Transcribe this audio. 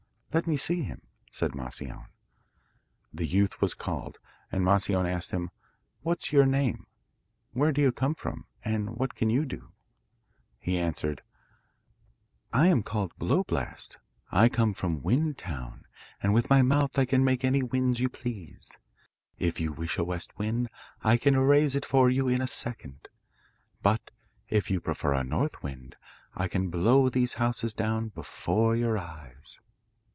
'Let me see him,' said Moscione. The youth was called, and Moscione asked him: 'What's your name; where do you come from, and what can you do?' He answered: 'I am called Blow Blast, I come from Wind town, and with my mouth I can make any winds you please. If you wish a west wind I can raise it for you in a second, but if you prefer a north wind I can blow these houses down before your eyes.